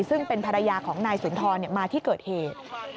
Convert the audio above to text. ซึ่งเป็นภรรยาของนายสุนทรมาที่เกิดเหตุ